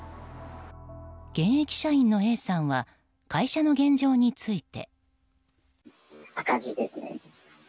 現役社員のＡさんは会社の現状について。